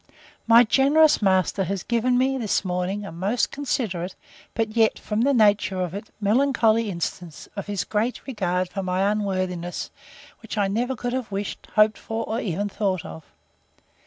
My generous master has given me, this morning, a most considerate, but yet, from the nature of it, melancholy instance of his great regard for my unworthiness, which I never could have wished, hoped for, or even thought of.